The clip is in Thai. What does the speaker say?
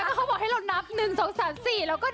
กับเพลงที่มีชื่อว่ากี่รอบก็ได้